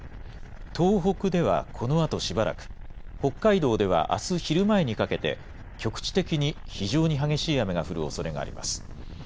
東北ではこのあとしばらく、北海道ではあす昼前にかけて、局地的に非常に激しい雨が降るおそれがあります。